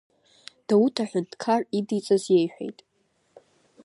Дауҭ аҳәынҭқар идиҵаз иеиҳәеит.